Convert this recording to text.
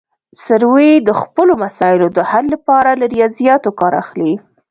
سروې د خپلو مسایلو د حل لپاره له ریاضیاتو کار اخلي